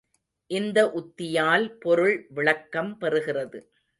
இந்த உத்தியால் பொருள் விளக்கம் பெறுகிறது.